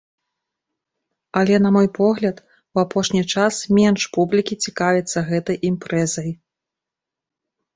Але, на мой погляд, у апошні час менш публікі цікавіцца гэтай імпрэзай.